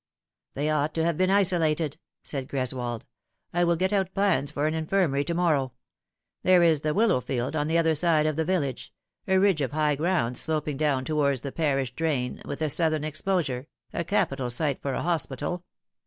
" They ought to have been isolated," said Greswold, " I will get out plans for an infirmary to morrow. There is the willow field, on the other side of the village, a ridge of high ground sloping down towards the pariah drain, with a southern 48 The Fatal Thre*. exposure, a capital site for a hospital.